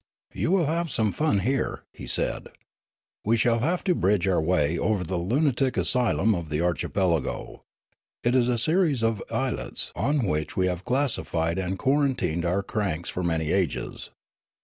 " You will have some fun here," he said. " We shall have to bridge our way over the lunatic asylum of the archipelago. It is a series of islets on which we have classified and quaran tined our cranks for many ages.